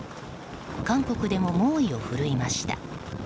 韓国でも猛威を振るいました。